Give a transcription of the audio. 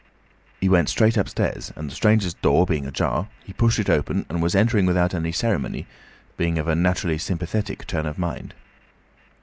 He went straight upstairs, and the stranger's door being ajar, he pushed it open and was entering without any ceremony, being of a naturally sympathetic turn of mind.